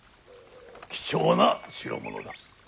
貴重な代物だ。